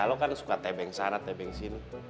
lo kan suka tebeng sana tebeng sini